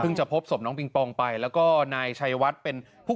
จะพบศพน้องปิงปองไปแล้วก็นายชัยวัดเป็นผู้